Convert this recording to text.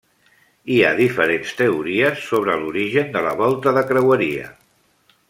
Hi ha diferents teories sobre l'origen de la volta de creueria.